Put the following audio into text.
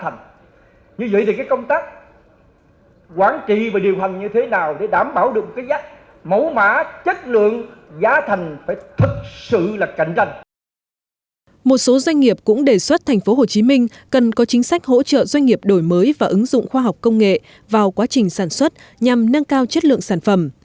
một số doanh nghiệp cũng đề xuất tp hcm cần có chính sách hỗ trợ doanh nghiệp đổi mới và ứng dụng khoa học công nghệ vào quá trình sản xuất nhằm nâng cao chất lượng sản phẩm